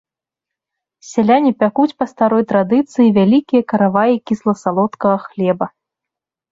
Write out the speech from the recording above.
Сяляне пякуць па старой традыцыі вялікія караваі кісла-салодкага хлеба.